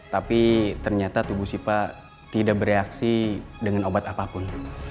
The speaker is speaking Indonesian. tapi ternyata tubuh sipa tidak bereaksi dengan obat apapun